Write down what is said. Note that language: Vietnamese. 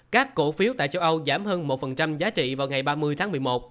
các cổ phiếu tại châu âu giảm hơn một giá trị vào ngày ba mươi tháng một mươi một